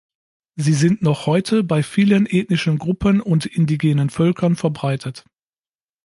Sie sind noch heute bei vielen ethnischen Gruppen und indigenen Völkern verbreitet.